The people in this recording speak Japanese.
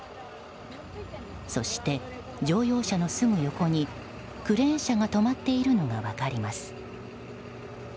そして、乗用車のすぐ横にクレーン車が止まっているのが分かります。